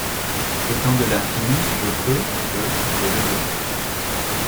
Etant de l’infini, je peux e que je veux ;